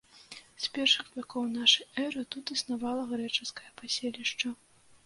З першых вякоў нашай эры тут існавала грэчаскае паселішча.